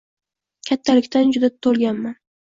Kattalikdan juda tolganman